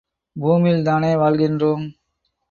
பூமியில் தானே வாழ்கின்றோம்.